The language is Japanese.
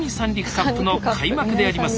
ＣＵＰの開幕であります。